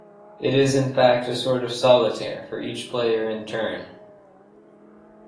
It is, in fact, a sort of solitaire for each player in turn.